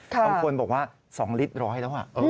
บางคนบอกว่า๒ลิตรร้อยแล้ว